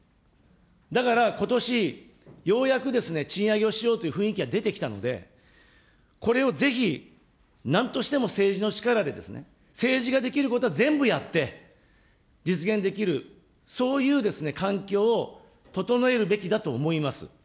だから、ことし、ようやくですね、賃上げをしようという雰囲気が出てきたので、これをぜひ、なんとしても政治の力でですね、政治ができることは全部やって、実現できる、そういう環境を整えるべきだと思います。